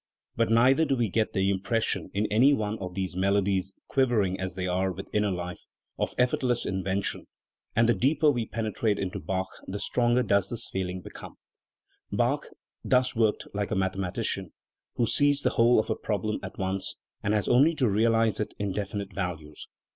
But neither do we get the impression in any one of these melodies, quivering as they are with inner life, of effortless invention ; and the deeper we penetrate into Bach, the stronger does this feeling become*. Bach thus worked like the mathematician, who sees the whole of a problem at once, and has only to realise it in definite values.